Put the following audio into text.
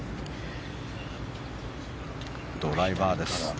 ドライバーです。